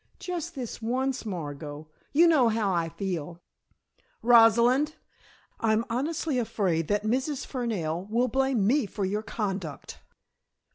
Just this once, Margot. You know how I feel " "Rosalind, I'm honestly afraid that Mrs. Fernell will blame me for your conduct."